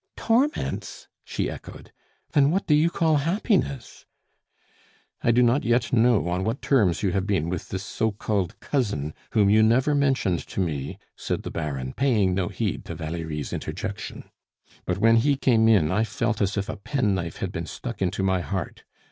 "Torments?" she echoed. "Then what do you call happiness?" "I do not yet know on what terms you have been with this so called cousin whom you never mentioned to me," said the Baron, paying no heed to Valerie's interjection. "But when he came in I felt as if a penknife had been stuck into my heart.